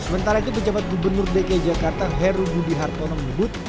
sementara itu pejabat gubernur dki jakarta heru budi hartono menyebut